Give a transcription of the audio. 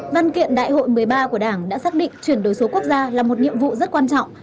văn kiện đại hội một mươi ba của đảng đã xác định chuyển đổi số quốc gia là một nhiệm vụ rất quan trọng